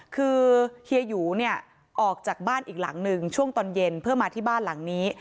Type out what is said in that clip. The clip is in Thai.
คือเฮียหยูเนี่ยออกจากบ้านอีกหลังหนึ่งช่วงตอนเย็นเพื่อมาที่บ้านหลังนี้